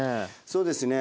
そうですね。